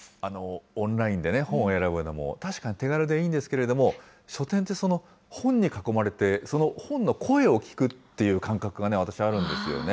オンラインでね、本を選ぶのも確かに手軽でいいんですけれども、書店って、その本に囲まれて、その本の声を聞くっていう感覚が、私はあるんですよね。